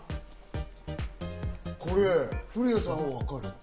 これ古谷さんは分かる？